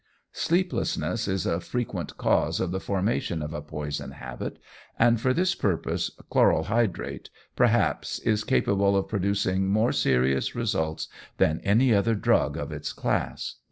Sleeplessness is a frequent cause of the formation of a poison habit, and for this purpose chloral hydrate, perhaps, is capable of producing more serious results than any other drug of its class.